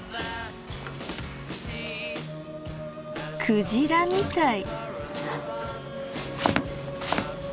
クジラみたい。